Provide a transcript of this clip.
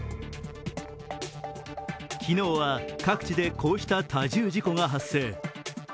昨日は、各地でこうした多重事故が発生。